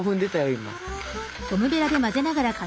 今。